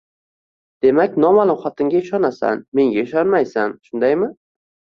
Demak, noma'lum xotinga ishonasan, menga ishonmaysan, shundaymn?